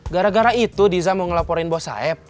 gara gara itu diza mau ngelaporin bos saya